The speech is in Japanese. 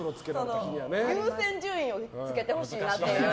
優先順位をつけてほしいと。